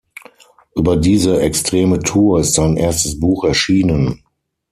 Über diese extreme Tour ist sein erstes Buch erschienen.